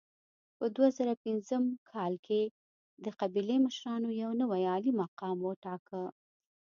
په دوه زره پنځم کال کې د قبیلې مشرانو یو نوی عالي مقام وټاکه.